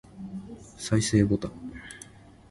再生ボタン